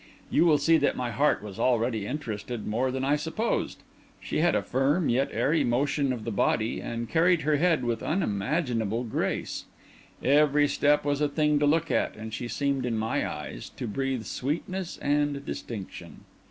You will see that my heart was already interested more than I supposed. She had a firm yet airy motion of the body, and carried her head with unimaginable grace; every step was a thing to look at, and she seemed in my eyes to breathe sweetness and distinction.